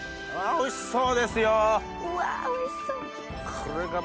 おいしそう！